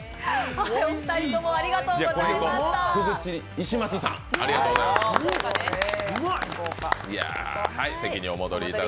いし松さん、ありがとうございました。